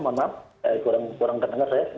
mohon maaf kurang terdengar saya